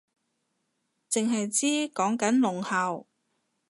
剩係知講緊聾校